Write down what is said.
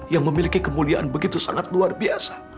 yang memiliki kemuliaan begitu sangat luar biasa